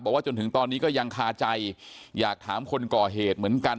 ว่าจนถึงตอนนี้ก็ยังคาใจอยากถามคนก่อเหตุเหมือนกัน